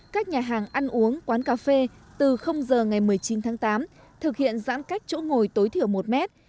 các nhà hàng ăn uống quán cà phê từ giờ ngày một mươi chín tháng tám thực hiện giãn cách chỗ ngồi tối thiểu một mét